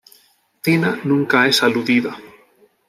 Tina nunca es aludida.